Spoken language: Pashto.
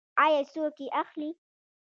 آیا څوک یې اخلي؟